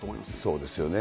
そうですよね。